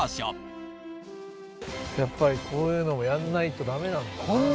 やっぱりこういうのもやんないと駄目なんだな。